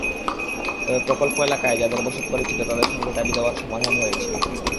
তবে প্রকল্প এলাকায় যাঁদের বসতবাড়ি ছিল, তাঁদের সঙ্গে দাবিদাওয়ার সমাধান হয়েছে।